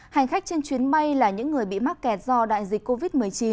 hành khách trên chuyến bay là những người bị mắc kẹt do đại dịch covid một mươi chín